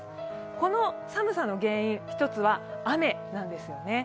この寒さの原因、１つは雨なんですよね。